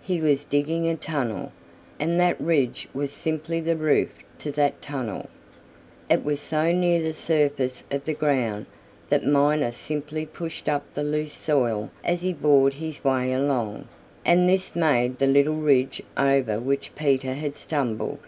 He was digging a tunnel, and that ridge was simply the roof to that tunnel. It was so near the surface of the ground that Miner simply pushed up the loose soil as he bored his way along, and this made the little ridge over which Peter had stumbled.